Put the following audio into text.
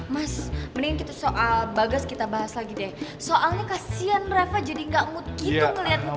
mas mendingan kita soal bagas kita bahas lagi deh soalnya kasian reva jadi gak mood gitu ngeliat mukanya bagas